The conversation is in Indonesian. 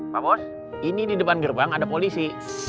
pak bos ini di depan gerbang ada polisi